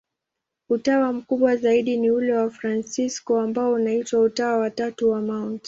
Utawa mkubwa zaidi ni ule wa Wafransisko, ambao unaitwa Utawa wa Tatu wa Mt.